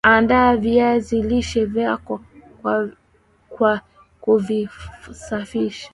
Andaa viazi lishe vyako kwa kuvisafisha